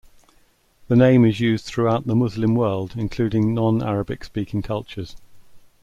The name is used throughout the Muslim world including non-Arabic speaking cultures.